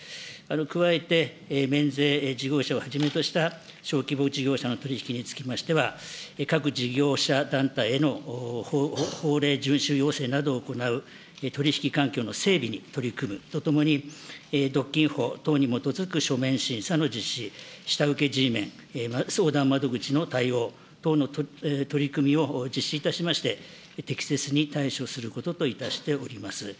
加えて、免税事業者をはじめとした小規模事業者の取り引きにつきましては、各事業者団体への法令順守要請などを行う取り引き環境の整備に取り組むとともに、独禁法等に基づく書面審査の実施、下請けＧメン、相談窓口の対応等の取り組みを実施いたしまして、適切に対処することといたしております。